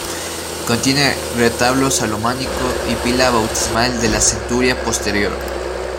Contiene retablo salomónico y pila bautismal de la centuria posterior.